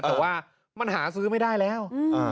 แต่ว่ามันหาซื้อไม่ได้แล้ว